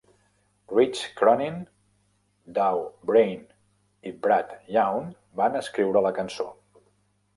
Rich Cronin, Dow Brain i Brad Young van escriure la cançó.